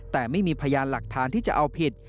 แต่ไม่มีพยานหลักฐานที่จะเอาผิด